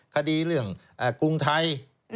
คดีเรื่องกรุงไทย